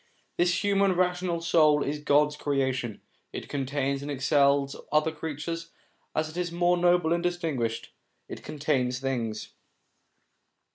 This human rational soul is God's creation; it contains and excels other creatures; as it is more noble and distinguished, it contains things.